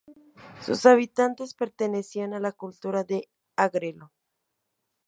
Sus habitantes pertenecían a la cultura de Agrelo.